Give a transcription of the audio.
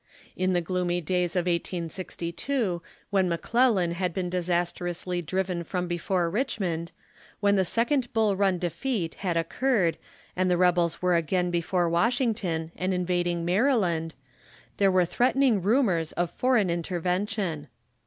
In the gloomy days of 1862, when Mc Clellan had been disastrously driven from before Richmond, when the second Bull Run defeat had occurred, and the rebels were again before Washington and invading Mary land, there were threatening rumors of foreign interven tion.